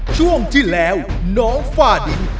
ช่วงที่แล้วน้องฝ้าดิน